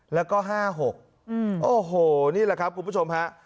แล้วก็๕๖โอ้โหนี่แหละครับคุณผู้ชมฮะ